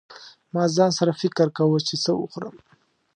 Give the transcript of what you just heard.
ما ځان سره فکر کاوه چې څه وخورم.